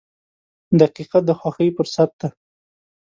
• دقیقه د خوښۍ فرصت ده.